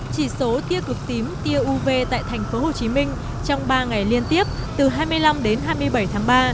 chỉ số tia cực tím tia uv tại thành phố hồ chí minh trong ba ngày liên tiếp từ hai mươi năm đến hai mươi bảy tháng ba